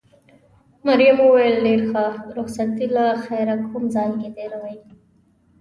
مريم وویل: ډېر ښه، رخصتي له خیره کوم ځای کې تېروې؟